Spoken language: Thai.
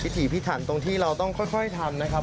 ถีพิถันตรงที่เราต้องค่อยทำนะครับ